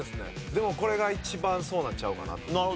でもこれが一番そうなんちゃうかなっていう。